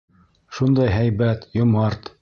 Шундай һәйбәт, йомарт...